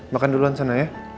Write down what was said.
makan duluan sana ya